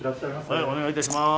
はいお願いいたします。